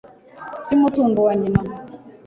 by'umutungo wa nyina